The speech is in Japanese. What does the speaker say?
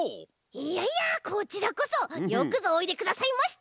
いやいやこちらこそよくぞおいでくださいました！